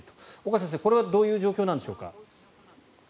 岡先生、これはどういう状況なんでしょうか？